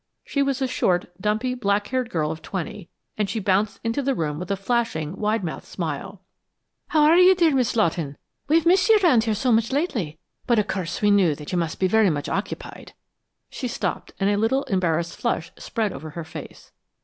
She was a short, dumpy, black haired girl of twenty, and she bounced into the room with a flashing, wide mouthed smile. "How are you, dear Miss Lawton? We have missed you around here so much lately, but of course we knew that you must be very much occupied " She stopped and a little embarrassed flush spread over her face.